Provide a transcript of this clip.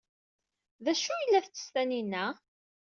D acu ay la tettess Taninna?